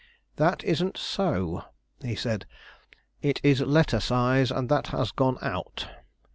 "That isn't so," he said. "It is letter size, and that has gone out.